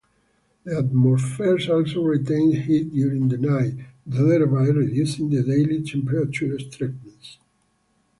The atmosphere also retains heat during the night, thereby reducing the daily temperature extremes.